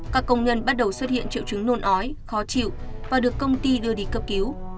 các công nhân bắt đầu xuất hiện triệu chứng nôn ói khó chịu và được công ty đưa đi cấp cứu